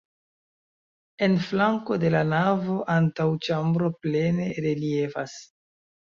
En flanko de la navo antaŭĉambro plene reliefas.